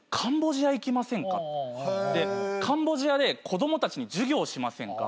でカンボジアで子供たちに授業しませんか？